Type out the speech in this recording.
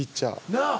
なあ。